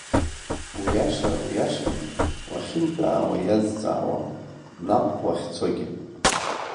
Уиаша, уиашам, уахьынтәаауа иазҵаауам, наҟ уахьцогьы.